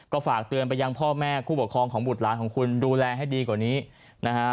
ก็ฝากเตือนไปยังพ่อแม่ผู้ปกครองของบุตรหลานของคุณดูแลให้ดีกว่านี้นะฮะ